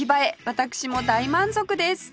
私も大満足です